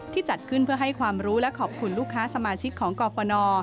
จัดขึ้นเพื่อให้ความรู้และขอบคุณลูกค้าสมาชิกของกรฟน